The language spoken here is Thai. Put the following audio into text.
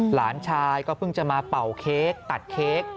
หลานชายก็เพิ่งจะมาเป่าเค้กตัดเค้ก